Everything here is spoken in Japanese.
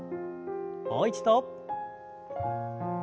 もう一度。